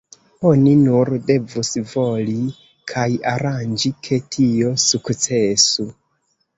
Oni nur devus voli kaj aranĝi, ke tio sukcesu.